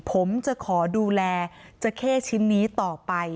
ผมจะขอดูแลเจ้าเข้ชิ้นนี้ต่อไป